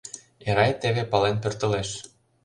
Эрай теве пален пӧртылеш.